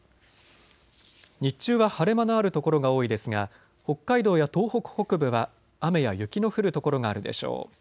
日中は晴れ間のある所が多いですが北海道や東北北部は雨や雪の降る所があるでしょう。